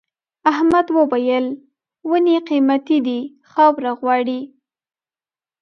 احمد وويل: ونې قيمتي دي خاوره غواړي.